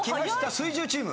水１０チーム。